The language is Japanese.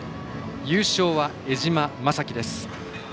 優勝は江島雅紀です。